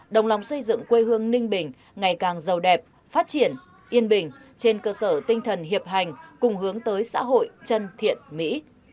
đồng lòng xây dựng quê hương ninh bình ngày càng giàu đẹp phát triển yên bình trên cơ sở tinh thần hiệp hành cùng hướng tới xã hội chân thiện mỹ